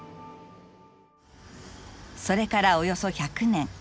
それからおよそ１００年。